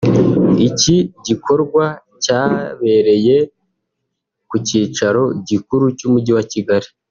Iki gikorwa cyabereye ku kicaro gikuru cy’umujyi wa Kigali